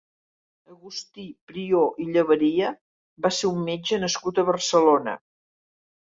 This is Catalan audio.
Agustí Prió i Llaberia va ser un metge nascut a Barcelona.